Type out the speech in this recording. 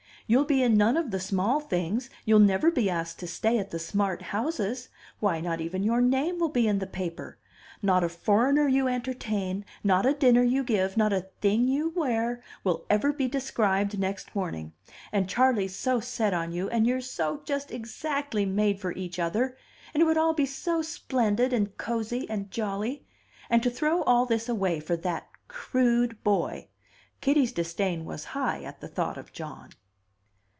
You'll be in none of the small things; you'll never be asked to stay at the smart houses why, not even your name will be in the paper! Not a foreigner you entertain, not a dinner you give, not a thing you wear, will ever be described next morning. And Charley's so set on you, and you're so just exactly made for each other, and it would all be so splendid, and cosey, and jolly! And to throw all this away for that crude boy!" Kitty's disdain was high at the thought of John.